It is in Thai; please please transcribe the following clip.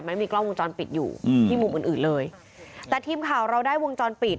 ไม่มีกล้องวงจรปิดอยู่อืมที่มุมอื่นอื่นเลยแต่ทีมข่าวเราได้วงจรปิด